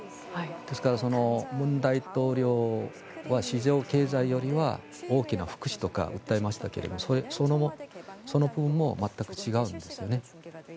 ですから、文大統領は市場経済よりは大きな福祉とか訴えましたけどそのほうも全く違うんですよね。